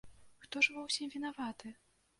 Хто ж ва ўсім вінаваты?